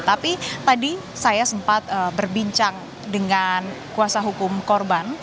tapi tadi saya sempat berbincang dengan kuasa hukum korban